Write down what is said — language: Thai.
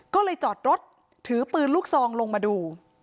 ก็เลยจอดรถถือปืนลูกซองลงมาดู